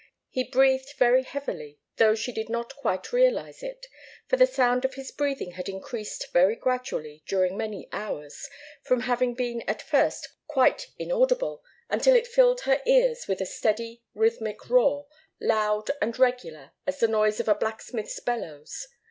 He breathed very heavily, though she did not quite realize it; for the sound of his breathing had increased very gradually during many hours, from having been at first quite inaudible until it filled her ears with a steady, rhythmic roar, loud and regular as the noise of a blacksmith's bellows.